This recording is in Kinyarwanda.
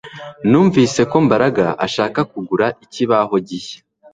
Numvise ko Mbaraga ashaka kugura ikibaho gishya